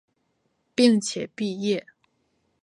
并且毕业。